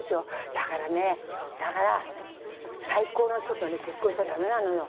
だからねだから最高の人とね結婚しちゃ駄目なのよ。